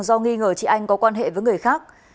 do nghi ngờ chị anh có quan hệ với người khác